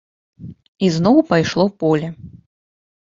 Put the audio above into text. І зноў пайшло поле.